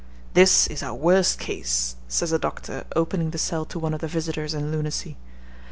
'This is our worst case,' says a doctor opening the cell to one of the visitors in lunacy.